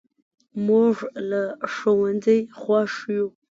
موږ له ښوونځي خوښ یو.